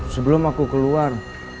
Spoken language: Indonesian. sebelum aku keluar